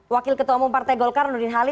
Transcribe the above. wakil ketua umum partai golkar nurdin hali